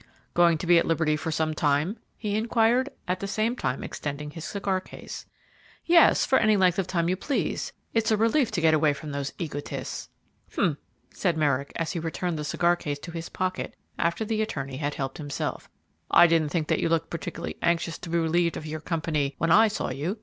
"Going to be at liberty for some time?" he inquired, at the same time extending his cigar case. "Yes, for any length of time you please; it's a relief to get away from those egotists." "H'm!" said Merrick, as he returned the cigar case to his pocket after the attorney had helped himself; "I didn't think that you looked particularly anxious to be relieved of your company when I saw you.